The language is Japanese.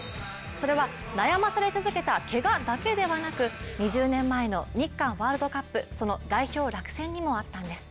それは、悩まされ続けたけがだけではなく２０年前の日韓ワールドカップ、その代表落選にもあったんです。